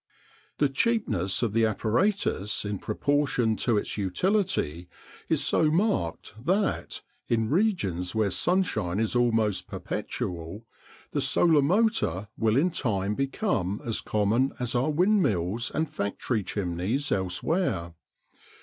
The cheapness of the apparatus in proportion to its utility is so marked that, in regions where sunshine is almost perpetual, the solar motor will in time become as common as are windmills and factory chimneys elsewhere.